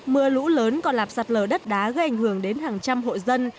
mưa lũ lớn còn lạp sạt lở đất đá gây ảnh hưởng đến hàng trăm hộ dân